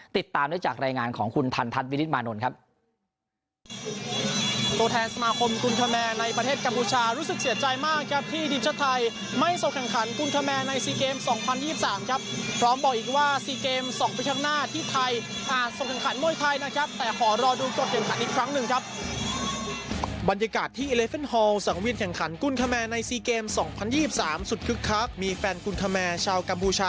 ติดตามได้จากรายงานของคุณทันทัศน์วินิตมานนท์ครับ